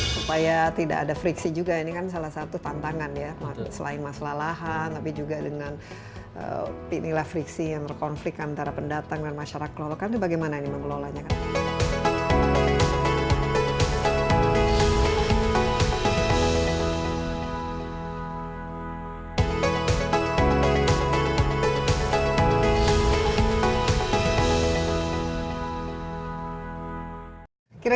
supaya tidak ada friksi juga ini kan salah satu tantangan ya selain masalah lahan tapi juga dengan inilah friksi yang berkonflik antara pendatang dan masyarakat